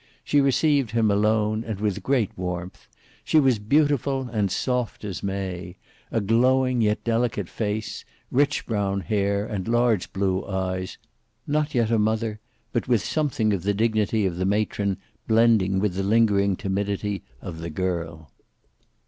She received him alone and with great warmth. She was beautiful, and soft as May; a glowing yet delicate face; rich brown hair, and large blue eyes; not yet a mother, but with something of the dignity of the matron blending with the lingering timidity of the girl.